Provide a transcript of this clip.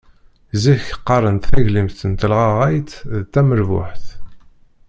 Zik qqaren taglimt n telɣaɣayt d tamerbuḥt.